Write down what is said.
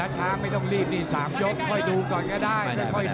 ช้างไม่ต้องรีบนี่๓ยกค่อยดูก่อนก็ได้